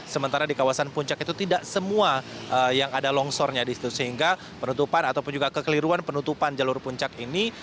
sementara di kawasan puncak itu tidak semua yang ada longsornya di situ sehingga penutupan ataupun juga kekeliruan penutupan jalur puncak ini